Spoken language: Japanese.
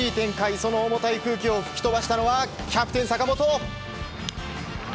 その重たい空気を吹き飛ばしたのはキャプテン、坂本！